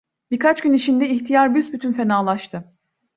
Birkaç gün içinde ihtiyar büsbütün fenalaştı.